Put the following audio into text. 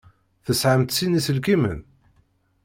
Tesεamt sin iselkimen?